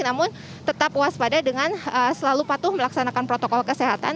namun tetap waspada dengan selalu patuh melaksanakan protokol kesehatan